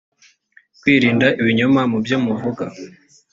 mwirinde ibinyoma mubyo muvuga.